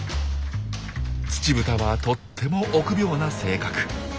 ツチブタはとっても臆病な性格。